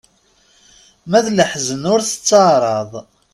Ma d leḥzen ur tettaraḍ.